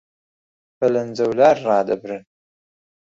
بەلەنجەولار ڕادەبرن